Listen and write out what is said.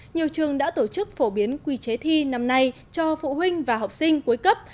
nhiều trường đã tổ chức phổ biến quy chế thi năm nay cho phụ huynh và học sinh cuối cấp